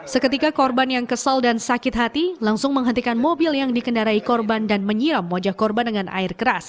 seketika korban yang kesal dan sakit hati langsung menghentikan mobil yang dikendarai korban dan menyiram wajah korban dengan air keras